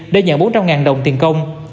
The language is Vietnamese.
để nhận bốn trăm linh đồng tiền công